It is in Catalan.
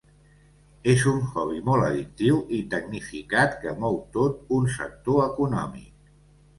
És un hobby molt addictiu i tecnificat que mou tot un sector econòmic.